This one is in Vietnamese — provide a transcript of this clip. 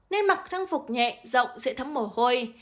nên mặc thang phục nhẹ rộng dễ thấm mổ hôi